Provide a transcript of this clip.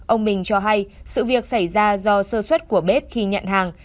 ông mình cho hay sự việc xảy ra do sơ xuất của bếp khi nhận hàng